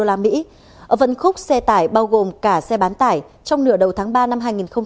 ở vận khúc xe tải bao gồm cả xe bán tải trong nửa đầu tháng ba năm hai nghìn một mươi chín